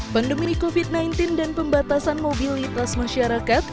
pandemi covid sembilan belas dan pembatasan mobilitas masyarakat